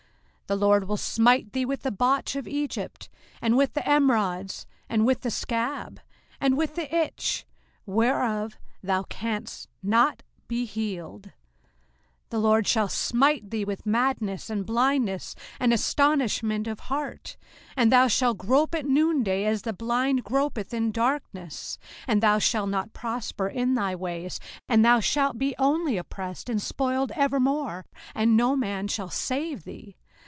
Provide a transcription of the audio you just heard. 05:028:027 The LORD will smite thee with the botch of Egypt, and with the emerods, and with the scab, and with the itch, whereof thou canst not be healed. 05:028:028 The LORD shall smite thee with madness, and blindness, and astonishment of heart: 05:028:029 And thou shalt grope at noonday, as the blind gropeth in darkness, and thou shalt not prosper in thy ways: and thou shalt be only oppressed and spoiled evermore, and no man shall save thee.